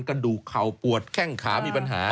กระดูกเข่าปวดแข้งขามีปัญหา